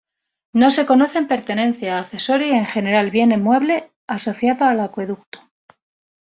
No se conocen pertenencias, accesorios y en general bienes muebles asociados al acueducto.